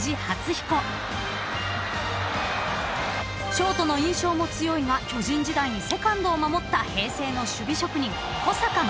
［ショートの印象も強いが巨人時代にセカンドを守った平成の守備職人］